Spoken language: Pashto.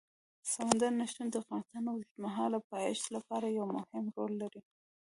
سمندر نه شتون د افغانستان د اوږدمهاله پایښت لپاره یو مهم رول لري.